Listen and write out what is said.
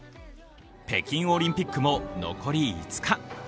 北京オリンピックも残り５日。